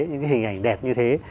những hình ảnh đẹp như thế